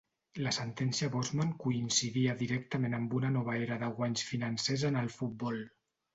La sentència Bosman coincidia directament amb una nova era de guanys financers en el futbol.